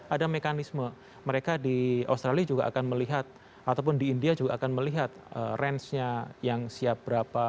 ada mekanisme mereka di australia juga akan melihat ataupun di india juga akan melihat range nya yang siap berapa